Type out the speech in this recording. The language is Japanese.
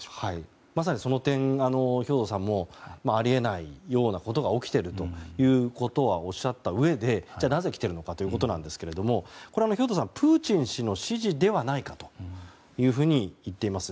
まさにその点、兵頭さんもあり得ないようなことが起きているということはおっしゃったうえでなぜ来ているのかということですがこれは兵頭さん、プーチン氏の指示ではないかと言っています。